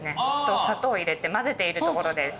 と砂糖を入れて混ぜているところです。